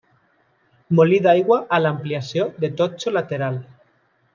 Molí d'aigua a l'ampliació de totxo lateral.